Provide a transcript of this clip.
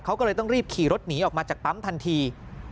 เขาก็เลยต้องรีบขี่รถหนีออกมาจากปั๊มทันที